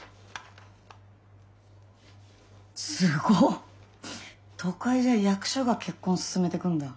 すご都会じゃ役所が結婚すすめてくんだ。